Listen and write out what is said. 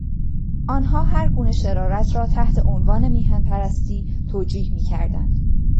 آنها هرگونه شرارت را تحت عنوان میهن پرستی توجیه میکردند.